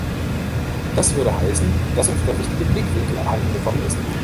Das würde heißen, dass uns der richtige Blickwinkel abhanden gekommen ist.